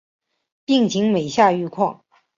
病情每下愈况